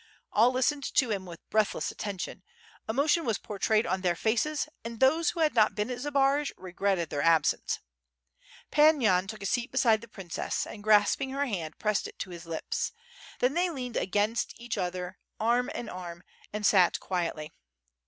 All listened to him with breathless attention; emo tion was portrayed on their faces and those who had not been at Zbaraj regretted their absence. Pan Yan took a seat beside the princess and grasping her hand, pressed it to his lips; then they leaned against each other arm in arm and sat quietly.